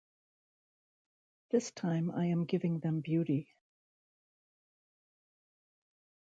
This time I am giving them beauty.